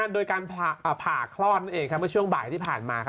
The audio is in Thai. โดยการผ่าครอดเมื่อช่วงบ่ายที่ผ่านมา